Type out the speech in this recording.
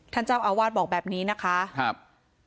ท่านเจ้าอาวาสบอกแบบนี้นะคะครับ